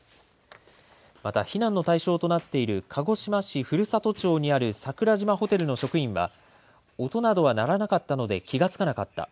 また避難の対象となっている鹿児島市古里町にある桜島ホテルの職員は、音などは鳴らなかったので気が付かなかった。